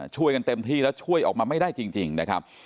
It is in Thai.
ช่วยกันเต็มที่แล้วช่วยออกมาไม่ได้จริงนะครับ